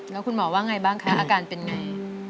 แล้วคุณหมอว่าไงบ้างคะอาการเป็นไง